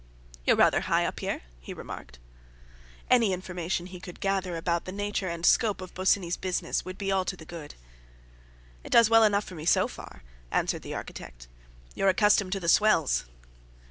"You're rather high up here," he remarked. Any information he could gather about the nature and scope of Bosinney's business would be all to the good. "It does well enough for me so far," answered the architect. "You're accustomed to the swells."